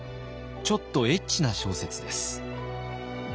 ちょっとエッチな小説です。